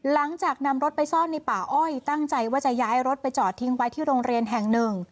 หลังจากนำรถไปซ่อนในป่าอ้อยตั้งใจว่าจะย้ายรถไปจอดทิ้งไว้ที่โรงเรียนแห่งหนึ่ง